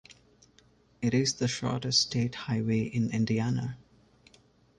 It is the shortest state highway in Indiana.